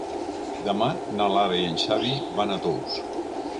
Demà na Lara i en Xavi van a Tous.